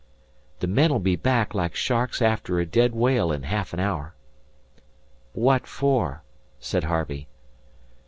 The men'll be back like sharks after a dead whale in ha'af an hour." "What for?" said Harvey.